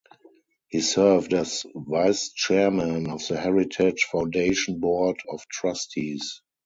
He served as vice-chairman of the Heritage Foundation board of trustees.